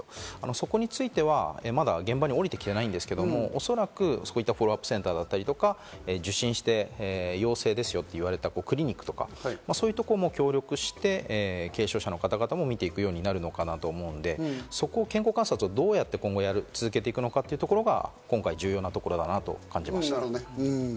そこについてはまだ現場に下りてきてないんですけど、おそらくフォローアップセンターだったりとか、受診して陽性ですよと言われたクリニックとか、そういうところも協力して軽症者の方々も見ていくようになるのかなと思うので、健康観察をどうやって今後続けていくのかというところが今回重要なところだなと感じました。